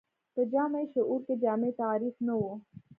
په جمعي شعور کې جامع تعریف نه و